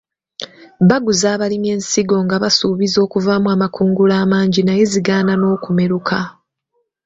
Baguza abalimi ensigo nga basuubiza okuvaamu amakungula amangi naye zigaana n'okumeruka.